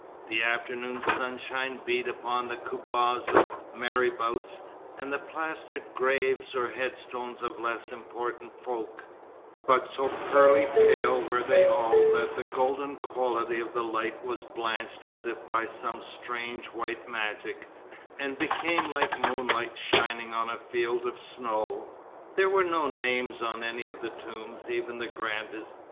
The afternoon sunshine beat upon the koubbahs of marabouts, and the plastered graves or headstones of less important folk; but so pearly pale were they all that the golden quality of the light was blanched as if by some strange, white magic, and became like moonlight shining on a field of snow. There were no names on any of the tombs, even the grandest.